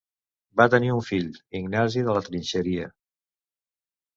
Va tenir un fill, Ignasi de la Trinxeria.